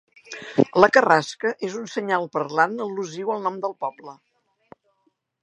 La carrasca és un senyal parlant al·lusiu al nom del poble.